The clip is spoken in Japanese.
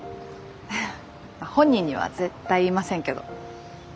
本人には絶対言いませんけど。